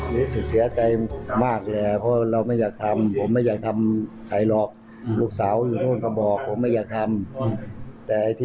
ลูกสาวถูกมันก็ถูกทุกวันแหละ